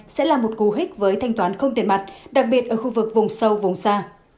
sẽ là một cú hích với thanh toán không tiền mặt đặc biệt ở khu vực vùng sâu vùng xa